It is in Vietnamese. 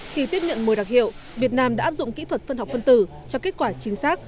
khi tiếp nhận mùi đặc hiệu việt nam đã áp dụng kỹ thuật phân học phân tử cho kết quả chính xác